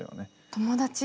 友達。